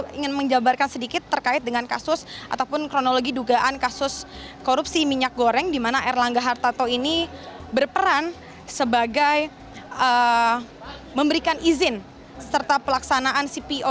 saya ingin menjabarkan sedikit terkait dengan kasus ataupun kronologi dugaan kasus korupsi minyak goreng di mana erlangga hartarto ini berperan sebagai memberikan izin serta pelaksanaan cpo